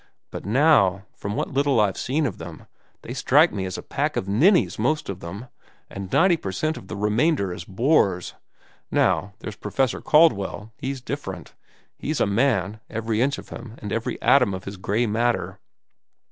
But now, from what little I've seen of them, they strike me as a pack of ninnies, most of them, and ninety percent of the remainder as bores. Now there's Professor Caldwell—he's different. He's a man, every inch of him and every atom of his gray matter."